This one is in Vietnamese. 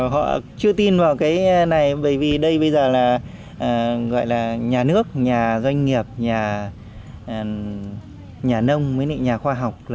họ chưa tin vào cái này bởi vì đây bây giờ là nhà nước nhà doanh nghiệp nhà nông nhà khoa học